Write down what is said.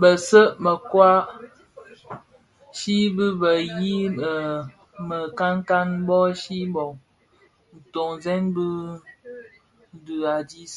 Betceu mekoai chi bé yii mikankan, bố chi bộ, ntuňzèn di dhim a dis,